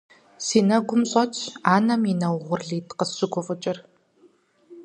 Си нэгум щӀэтщ анэм и нэ угъурлитӀ къысщыгуфӀыкӀыр.